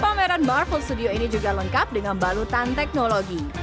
pameran barvel studio ini juga lengkap dengan balutan teknologi